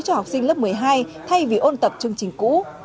cho học sinh lớp một mươi hai thay vì ôn tập chương trình cũ